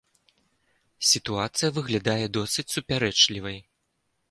Сітуацыя выглядае досыць супярэчлівай.